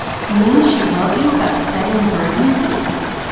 "You mean she wrote you about studying bird music?"